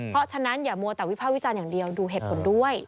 เพราะฉะนั้นอย่ามัวแต่วิภาควิจารณ์อย่างเดียวดูเหตุผลด้วย